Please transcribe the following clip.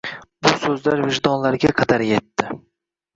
bu so'zlar vijdonlarga qadar yetdi.